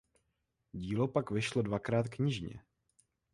Dílo pak vyšlo dvakrát knižně.